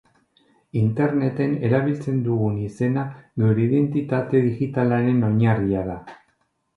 Interneten erabiltzen dugun izena geure identitate digitalaren oinarri da.